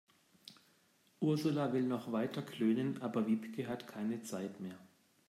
Ursula will noch weiter klönen, aber Wiebke hat keine Zeit mehr.